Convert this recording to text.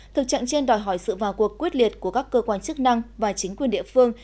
thực trạng trên đòi hỏi sự vào cuộc quyết liệt của các cơ quan chức năng và chính quyền địa phương